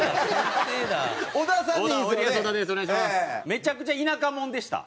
めちゃくちゃ田舎もんでした。